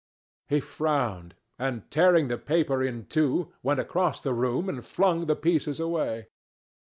He frowned, and tearing the paper in two, went across the room and flung the pieces away.